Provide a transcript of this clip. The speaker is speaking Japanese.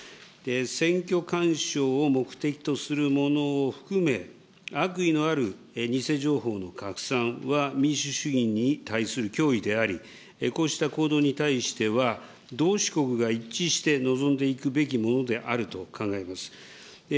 選挙干渉を目的とするものを含め、悪意のある偽情報の拡散は民主主義に対する脅威であり、こうした行動に対しては、同志国が一致して臨んでいくべきものであると考えます。